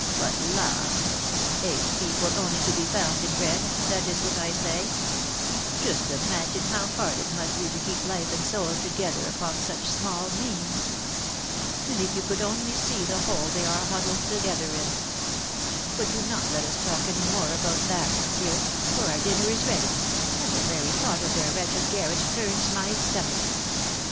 But, la! Eight people only to be found in bread, that is what I say, just imagine how hard it must be to keep life and soul together upon such small means; and if you could only see the hole they are all huddled together in But do not let us talk any more about that, monsieur, for our dinner is ready, and the very thought of their wretched garret turns my stomach.